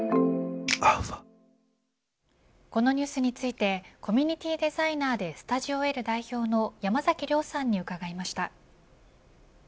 このニュースについてコミュニティデザイナーでｓｔｕｄｉｏ‐Ｌ代表の山崎亮さんに伺いました。